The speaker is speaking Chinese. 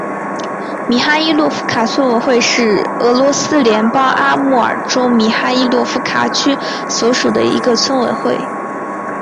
米哈伊洛夫卡村委员会是俄罗斯联邦阿穆尔州米哈伊洛夫卡区所属的一个村委员会。